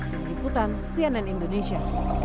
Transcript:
terikutan cnn indonesia